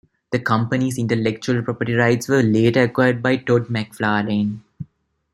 The company's intellectual property rights were later acquired by Todd McFarlane.